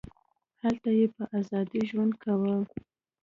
هلته یې په ازادۍ ژوند کاوه.